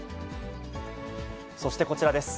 そしてこちらです。